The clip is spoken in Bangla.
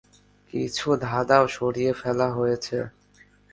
কিছু ধাঁধাও সরিয়ে ফেলা হয়েছে।